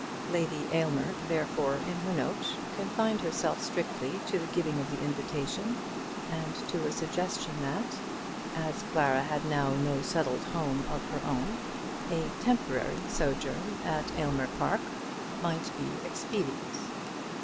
Lady Aylmer, therefore, in her note, confined herself strictly to the giving of the invitation, and to a suggestion that, as Clara had now no settled home of her own, a temporary sojourn at Aylmer Park might be expedient.